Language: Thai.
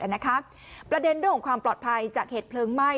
ประเด็นเรื่องของความปลอดภัยจากเหตุเพลิงไหม้